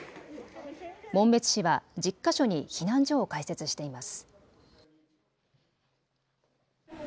紋別市は１０か所に避難所を開設しています。